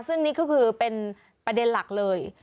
ซึ่งนี่ก็คือเป็นประเด็นหลักเลย